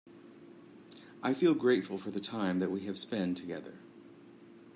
I feel grateful for the time that we have spend together.